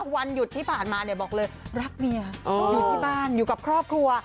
วันหยุดที่ผ่านมาบอกเลยรักเมียอยู่ที่บ้านอยู่กับครอบครัว